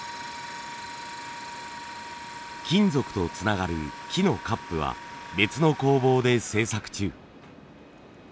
金属とつながる木のカップは別の工房で製作中。